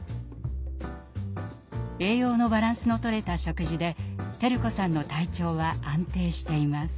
栄養のバランスのとれた食事で輝子さんの体調は安定しています。